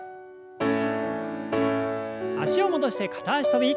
脚を戻して片脚跳び。